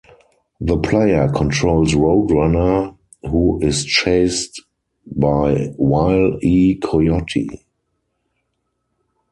The player controls Road Runner, who is chased by Wile E. Coyote.